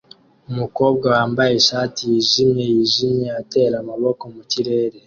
Umukobwa wambaye ishati yijimye yijimye atera amaboko mu kirere